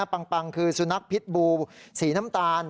ปังคือสุนัขพิษบูสีน้ำตาล